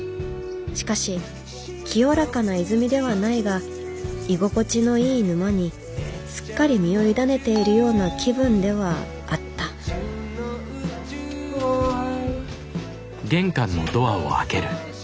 しかし清らかな泉ではないが居心地のいい沼にすっかり身を委ねているような気分ではあったはい。